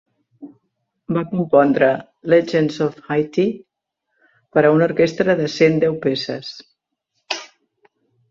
Va compondre "Legends of Haiti" per a una orquestra de cent deu peces.